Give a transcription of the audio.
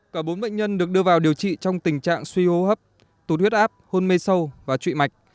cả bốn bệnh nhân được đưa vào điều trị trong tình trạng suy hô hấp tụt huyết áp hôn mê sâu và trụy mạch